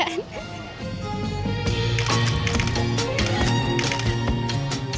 bagi yang ingin menjajal peruntungan sebagai fotografer ini adalah